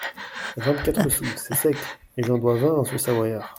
Vingt-quatre sous ! c’est sec ! et j’en dois vingt à ce Savoyard…